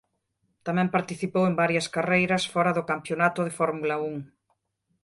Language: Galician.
Tamén participou en varias carreiras fora do campionato de Fórmula Un.